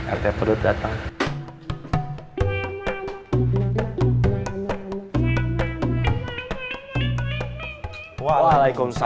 arti pelut datang